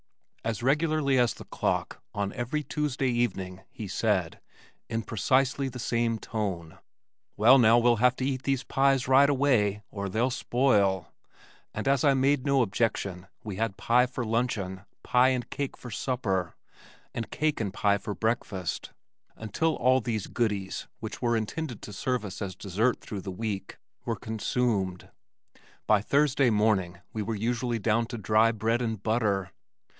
As regularly as the clock, on every Tuesday evening he said, in precisely the same tone, "Well, now, we'll have to eat these pies right away or they'll spoil," and as I made no objection, we had pie for luncheon, pie and cake for supper, and cake and pie for breakfast until all these "goodies" which were intended to serve as dessert through the week were consumed. By Thursday morning we were usually down to dry bread and butter.